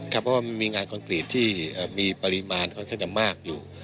เพราะว่ามีงานคอนกรีตที่มีปริมาณค่อนข้างจะมากอยู่